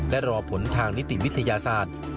และรอผลทางนิติวิทยาศาสตร์